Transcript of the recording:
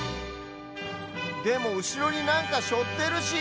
でもうしろになんかしょってるし。